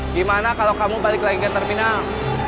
gimana kalau kamu balik lagi ke terminal